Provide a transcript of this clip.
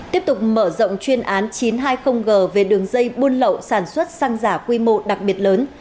tiếp tục mở rộng chuyên án chín trăm hai mươi g về đường dây buôn lậu sản xuất xăng giả quy mô đặc biệt lớn